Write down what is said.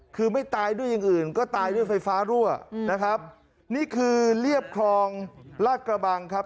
คือไม่ตายด้วยอย่างอื่นก็ตายด้วยไฟฟ้ารั่วนะครับนี่คือเรียบคลองลาดกระบังครับ